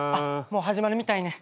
もう始まるみたいね。